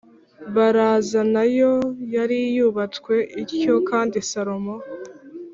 baraza na yo yari yubatswe ityo Kandi Salomo